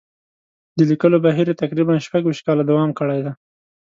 د لیکلو بهیر یې تقریباً شپږ ویشت کاله دوام کړی دی.